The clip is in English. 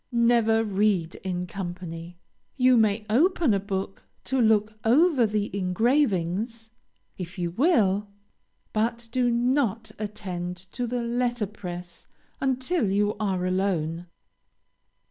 Never read in company. You may open a book to look over the engravings, if you will, but do not attend to the letter press until you are alone.